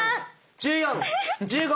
１４１５。